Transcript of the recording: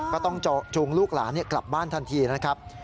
ก็ต้องจูงลูกหลานกลับบ้านทันทีนะครับ